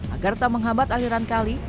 agar tak menghambat aliran kali